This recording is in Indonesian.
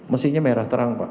mestinya merah terang pak